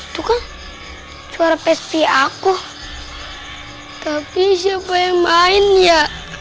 tuh kan suara psp aku tapi siapa yang main ya